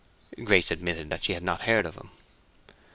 Grace admitted that she had not heard of him.